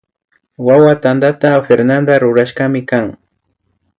Wawa tantaka Fernada rurashkami kan